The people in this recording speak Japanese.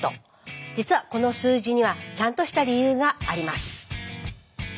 実はこの数字にはちゃんとした理由があります。